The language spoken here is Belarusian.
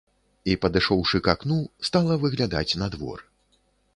І, падышоўшы к акну, стала выглядаць на двор.